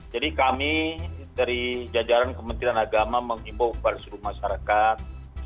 jadi kami dari jajaran kementerian agama menghimbau kepada seluruh masyarakat